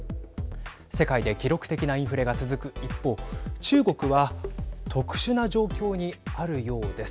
世界で記録的なインフレが続く一方中国は特殊な状況にあるようです。